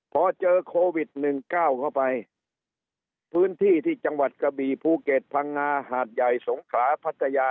พอเจอโควิด๑๙เข้าไปพื้นที่ที่จังหวัดกระบี่ภูเก็ตพังงาหาดใหญ่สงขาพัทยา